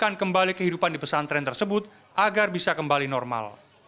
dan memulihkan kembali kehidupan di pesantren tersebut agar bisa kembali normal